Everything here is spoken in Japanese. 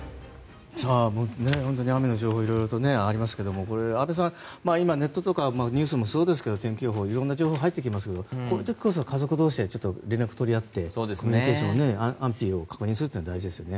本当に雨の情報がいろいろとありますけどこれ、安部さん、今はネットとかニュースもそうですが天気予報、いろんな情報が入ってきますけどこういう時こそ家族同士で連絡を取り合ってコミュニケーション、安否を確認するのが大事ですよね。